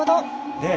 ねえ。